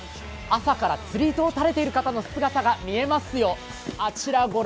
朝から釣りをされている方の姿が見えますよ。